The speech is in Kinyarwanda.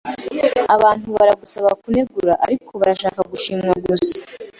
Abantu baragusaba kunegura, ariko bashaka gushimwa gusa.